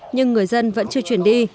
nhưng người dân vẫn chưa chuyển đi